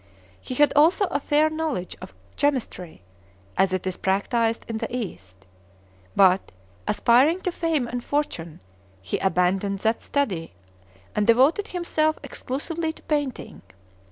He had also a fair knowledge of chemistry as it is practised in the East; but, aspiring to fame and fortune, he abandoned that study and devoted himself exclusively to painting.